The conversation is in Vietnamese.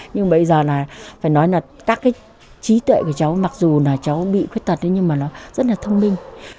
nhưng bây giờ là phải nói là các cái trí tuệ của cháu mặc dù là cháu bị khuyết tật nhưng mà nó rất là thông minh